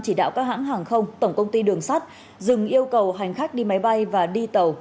chỉ đạo các hãng hàng không tổng công ty đường sắt dừng yêu cầu hành khách đi máy bay và đi tàu